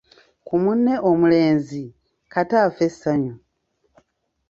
ku munne omulenzi, kata affe essanyu.